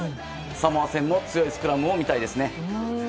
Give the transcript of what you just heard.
サモア戦も低く強いスクラムが見たいです。